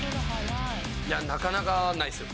なかなかないですよ。